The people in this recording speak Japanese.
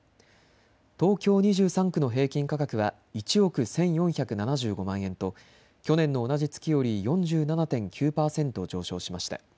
東京２３区の平均価格は１億１４７５万円と去年の同じ月より４７．９％上昇しました。